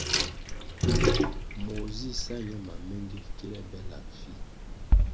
Moh zih sa ñe mamengi kile be lap fih.